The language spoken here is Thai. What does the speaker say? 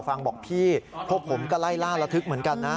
ฟังบอกพี่พวกผมก็ไล่ล่าระทึกเหมือนกันนะ